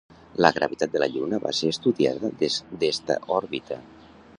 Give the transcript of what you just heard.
La gravetat de la Lluna va ser estudiada des d'esta òrbita.